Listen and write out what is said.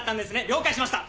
了解しました。